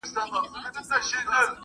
له قانونه سرغړونه مه کوئ.